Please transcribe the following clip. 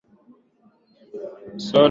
Soda kali.